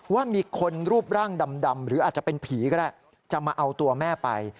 ว่ามีคนรูปร่างดำหรืออาจจะเป็นผีก็ได้จะมาเอาตัวแม่ไป